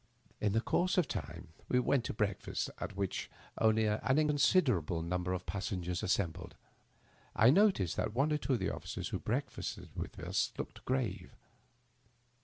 In the conrse of time we went to breakfast, at which only an inconsid erable number of passengers assembled. I noticed that one or two of the officers who breakfasted with us looked grave.